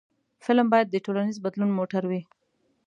فلم باید د ټولنیز بدلون موټر وي